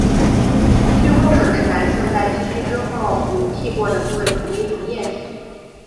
须后水是男性在剃须之后于剃过的部位涂的一种液体。